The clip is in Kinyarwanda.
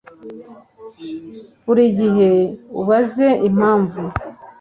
buri gihe ubaze impamvu